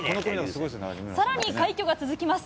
さらに快挙が続きます。